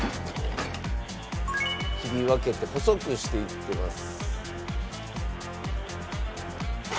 切り分けて細くしていってます。